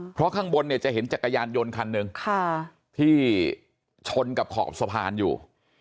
เพราะข้างบนเนี่ยจะเห็นจักรยานยนต์คันหนึ่งที่ชนกับขอบสะพานอยู่